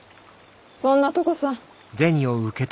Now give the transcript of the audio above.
そんなとこさ。